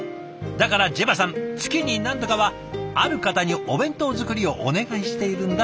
だからＪＥＶＡさん月に何度かはある方にお弁当作りをお願いしているんだそうです。